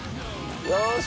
よし！